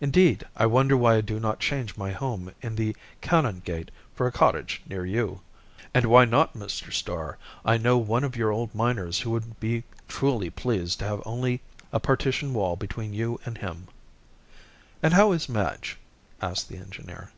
"Indeed, I wonder why I do not change my home in the Canongate for a cottage near you." "And why not, Mr. Starr? I know one of your old miners who would be truly pleased to have only a partition wall between you and him." "And how is Madge?" asked the engineer.